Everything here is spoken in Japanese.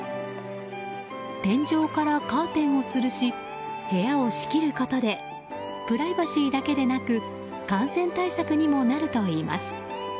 天井からカーテンをつるし部屋を仕切ることでプライバシーだけでなく感染対策にもなるといいます。